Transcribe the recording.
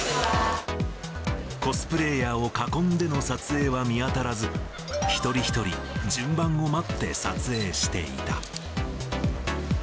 コスプレイヤーを囲んでの撮影は見当たらず、一人一人順番を待って撮影していた。